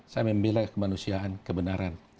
saya memilih kemanusiaan kebenaran